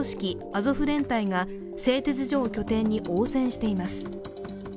アゾフ連隊が製鉄所を拠点に応戦しています。